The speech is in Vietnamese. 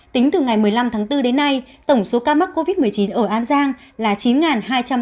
tính từ ngày một mươi năm tháng bốn đến nay tổng số ca mắc covid một mươi chín ở an giang là chín hai trăm ba mươi ca